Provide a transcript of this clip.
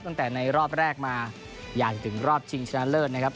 ตั้งแต่ในรอบแรกมาอย่างถึงรอบชิงชนะเลิศนะครับ